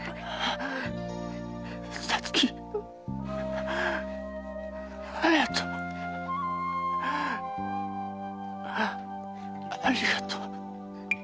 皐月隼人ありがとう。